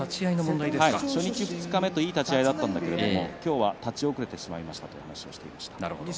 初日二日目といい立ち合いだったんだけど今日は立ち遅れてしまいましたと話しています。